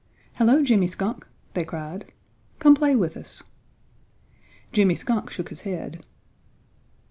"Hello, Jimmy Skunk!" they cried. "Come play with us!" Jimmy Skunk shook his head.